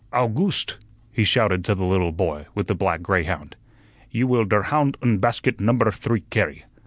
"Owgooste!" he shouted to the little boy with the black greyhound, "you will der hound und basket number three carry.